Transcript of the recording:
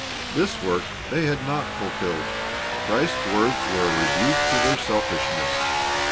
This work they had not fulfilled. Christ's words were a rebuke to their selfishness.